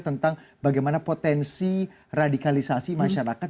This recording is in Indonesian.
tentang bagaimana potensi radikalisasi masyarakat